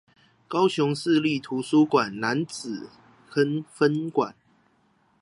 高雄市立圖書館楠仔坑分館